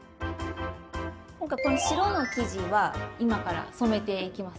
今回この白の生地は今から染めていきますよ。